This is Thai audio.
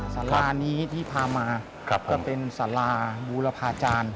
สารานี้ที่พามาจะเป็นสาราบูรพาจารย์